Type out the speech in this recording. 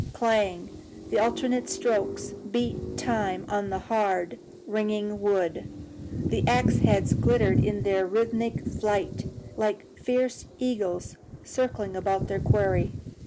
clang! the alternate strokes beat time upon the hard, ringing wood. The axe heads glittered in their rhythmic flight, like fierce eagles circling about their quarry.